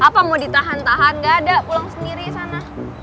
apa mau ditahan tahan gak ada pulang sendiri sana